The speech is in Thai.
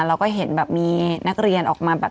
เราก็เห็นแบบมีนักเรียนออกมาแบบ